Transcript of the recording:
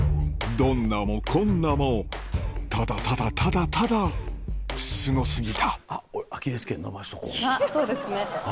どんなもこんなもただただただただすご過ぎたあっそうですね。